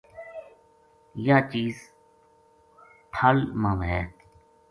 یاہ چیز پھل ما وھے